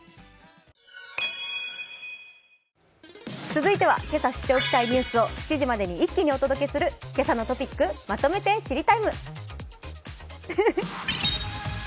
続いては、今朝知っておきたいニュースを７時までに一気にお届けする「けさのトピックまとめて知りＴＩＭＥ，」